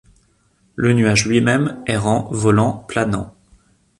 Le nuage lui-même, errant, volant, planant